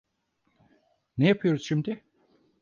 Ne yapıyoruz şimdi?